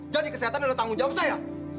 jadi kesehatan adalah tanggung jawab saya